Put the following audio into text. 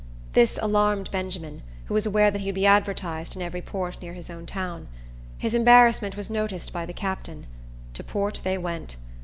This alarmed Benjamin, who was aware that he would be advertised in every port near his own town. His embarrassment was noticed by the captain. To port they went.